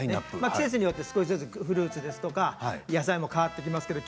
季節によってフルーツですとか野菜も変わってきますけれど